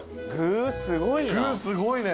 具すごいな。